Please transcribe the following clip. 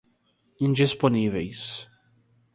indisponíveis